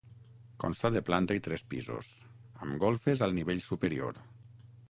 Consta de planta i tres pisos, amb golfes al nivell superior.